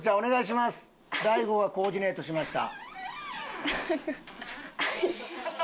大悟がコーディネートしました。